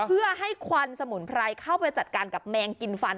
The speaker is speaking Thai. เพื่อให้ควันสมุนไพรเข้าไปจัดการกับแมงกินฟัน